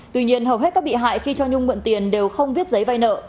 tuy nhiên hầu hết các bị hại khi cho nhung mượn tiền đều không viết giấy vay nợ